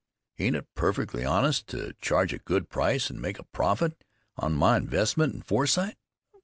Ain't it perfectly honest to charge a good price and make a profit on my investment and foresight?